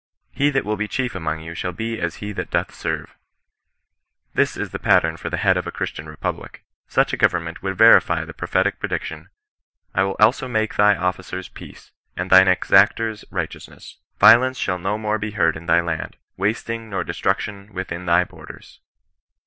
" He that will he chief among you shall he as he that doth served This is the pattern for the head of a Christian republic. Such a government would verify the prophetic prediction ;—^^ I will also 'make thy officers peace, and thine exactors righteousness. Violence shaU no more he heard in thy land, wasting nor destruction within thy borders."